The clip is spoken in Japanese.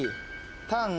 タン。